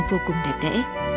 vô cùng đẹp đẽ